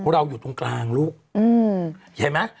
เราอยู่ตรงกลางลูกเห็นไหม